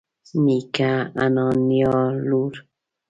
نيکه انا نيا لور